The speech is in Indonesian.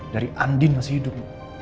dari andin masih hidup